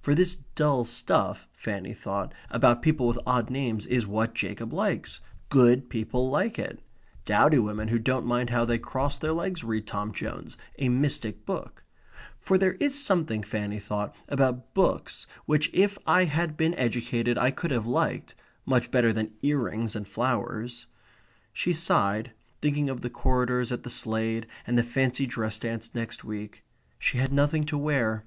For this dull stuff (Fanny thought) about people with odd names is what Jacob likes. Good people like it. Dowdy women who don't mind how they cross their legs read Tom Jones a mystic book; for there is something, Fanny thought, about books which if I had been educated I could have liked much better than ear rings and flowers, she sighed, thinking of the corridors at the Slade and the fancy dress dance next week. She had nothing to wear.